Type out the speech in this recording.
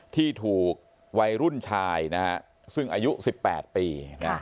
ที่ถูกวัยรุ่นชายนะฮะซึ่งอายุ๑๘ปี